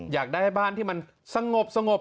อยากได้บ้านที่มันสงบ